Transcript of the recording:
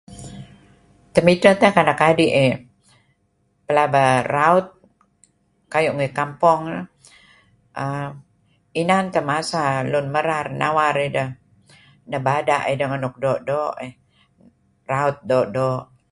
Temidteh tak anak adi' eh pelaba raut kayu' ngi kampong eh err inan teh masa lun merar nawar ideh nebada' ideh ngen nuk doo'-doo' eh, raut doo'-doo'.